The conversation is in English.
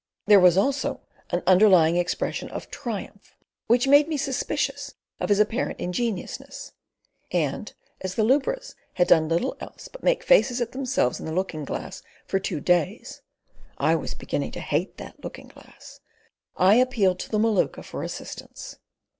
There was also an underlying expression of triumph which made me suspicious of his apparent ingenuousness, and as the lubras had done little else but make faces at themselves in the looking glass for two days (I was beginning to hate that looking glass), I appealed to the Maluka for assistance.